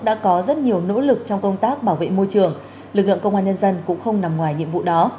đều nỗ lực trong công tác bảo vệ môi trường lực lượng công an nhân dân cũng không nằm ngoài nhiệm vụ đó